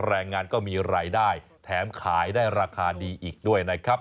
แรงงานก็มีรายได้แถมขายได้ราคาดีอีกด้วยนะครับ